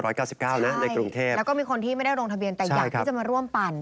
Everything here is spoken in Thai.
ใช่แล้วก็มีคนที่ไม่ได้ลงทะเบียนแต่อยากที่จะมาร่วมปั่น